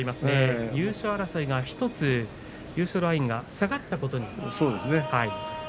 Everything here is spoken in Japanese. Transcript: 優勝争いが１つ優勝ラインが下がったことになります。